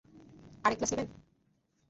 আর এক গ্লাস নিবেন?